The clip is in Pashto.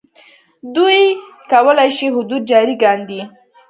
دوی کولای شي حدود جاري کاندي.